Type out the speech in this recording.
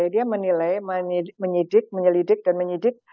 dia menilai menyidik menyelidik dan menyidik